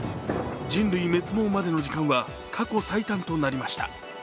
人類滅亡までの時間は過去最短となりました。